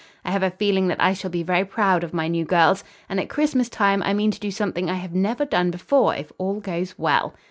I have a feeling that I shall be very proud of my new girls, and at Christmas time I mean to do something I have never done before, if all goes well."